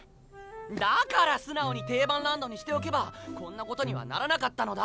だから素直に定番ランドにしておけばこんなことにはならなかったのだ！